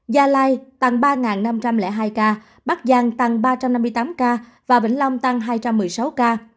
gia lai tăng ba năm trăm linh hai ca bắc giang tăng ba trăm năm mươi tám ca và vĩnh long tăng hai trăm một mươi sáu ca